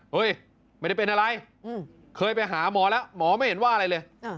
ไม่ได้เป็นอะไรเคยไปหาหมอแล้วหมอไม่เห็นว่าอะไรเลย